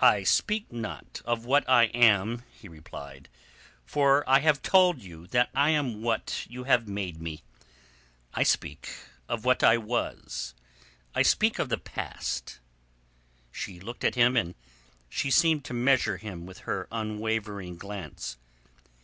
"I speak not of what I am," he replied, "for I have told you that I am what you have made me. I speak of what I was. I speak of the past." She looked at him and she seemed to measure him with her unwavering glance.